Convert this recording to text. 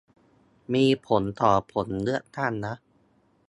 มีผลต่อผลเลือกตั้งนะ